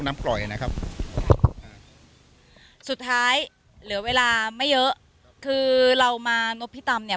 ปล่อยนะครับอ่าสุดท้ายเหลือเวลาไม่เยอะคือเรามานพพิตำเนี่ย